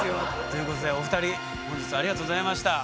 ということでお二人本日はありがとうございました。